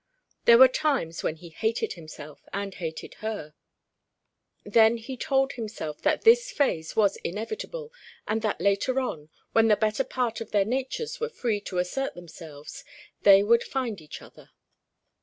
There were times when he hated himself and hated her. Then he told himself that this phase was inevitable, and that later on, when the better part of their natures were free to assert themselves, they would find each other.